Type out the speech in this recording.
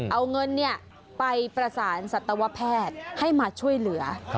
เอาเงินไปประสานสัตวแพทย์ให้มาช่วยเหลือ